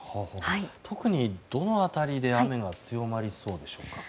特にどの辺りで雨が強まりそうでしょうか。